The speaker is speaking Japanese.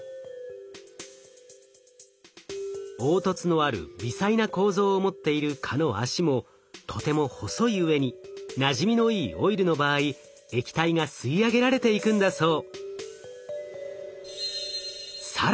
凹凸のある微細な構造を持っている蚊の脚もとても細いうえになじみのいいオイルの場合液体が吸い上げられていくんだそう。